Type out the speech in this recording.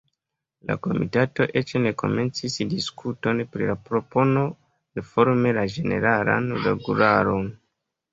La komitato eĉ ne komencis diskuton pri la propono reformi la ĝeneralan regularon.